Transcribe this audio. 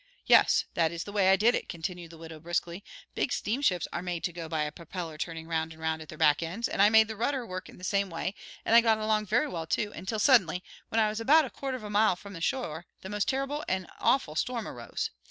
"Yes, that is the way I did it," continued the widow, briskly. "Big steamships are made to go by a propeller turning round and round at their back ends, and I made the rudder work in the same way, and I got along very well, too, until suddenly, when I was about a quarter of a mile from the shore, a most terrible and awful storm arose.